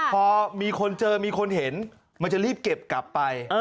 พอมีคนเจอมีคนเห็นมันจะรีบเก็บกลับไป